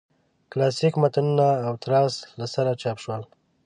کلاسیک متنونه او تراث له سره چاپ شول.